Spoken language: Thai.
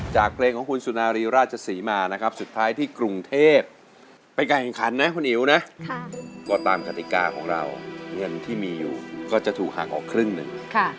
เพลงของคุณสุนารีราชศรีมานะครับสุดท้ายที่กรุงเทพเป็นการแข่งขันนะคุณอิ๋วนะก็ตามกติกาของเราเงินที่มีอยู่ก็จะถูกห่างออกครึ่งหนึ่ง